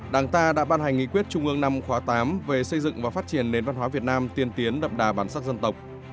đảng ta đã ban hành nghị quyết trung ương năm khóa tám về xây dựng và phát triển nền văn hóa việt nam tiên tiến đậm đà bản sắc dân tộc